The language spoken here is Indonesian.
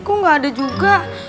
kok gak ada juga